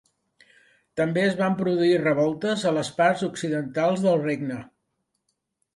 També es van produir revoltes a les parts occidentals del Regne.